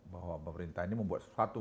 bahwa pemerintah ini membuat sesuatu